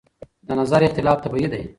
د نظر اختلاف طبیعي دی.